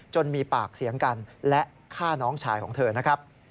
มีปากเสียงกันและฆ่าน้องชายของเธอนะครับ